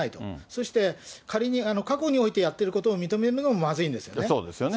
そして仮に、過去においてやってることを認めるのもまずいんですよね。